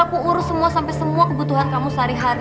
aku urus semua sampai semua kebutuhan kamu sehari hari